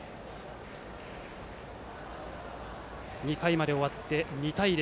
２回まで終わって２対０。